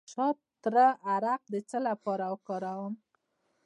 د شاه تره عرق د څه لپاره وڅښم؟